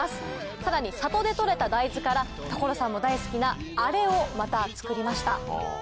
さらに里で取れた大豆から所さんも大好きなあれをまた作りました。